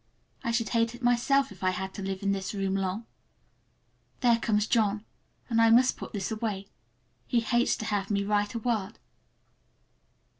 I should hate it myself if I had to live in this room long. There comes John, and I must put this away,—he hates to have me write a word.